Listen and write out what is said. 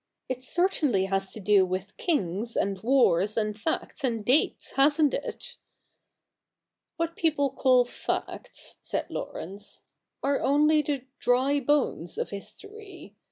' It certainly has to do with kings, and wars, and facts, and dates, hasn't it ?'' What people call facts,' said Laurence, ' are only the dry bones of history.